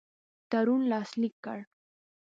تړون لاسلیک کړ.